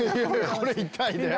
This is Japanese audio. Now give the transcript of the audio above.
これ痛いで。